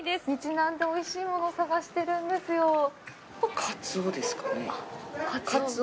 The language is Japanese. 日南でおいしいものを探してるんですよ。